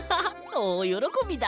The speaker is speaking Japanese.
おおよろこびだ！